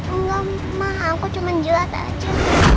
enggak ma aku cuma jilat aja